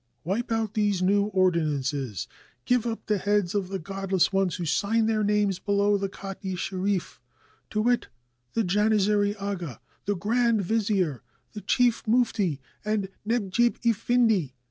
"Wipe out these new ordinances, give up the heads of 525 TURKEY the godless ones who signed their names below the khat i sJierif — to wit, the Janizary aga, the grand vizier, the chief mufti, and Nedjib Effendi!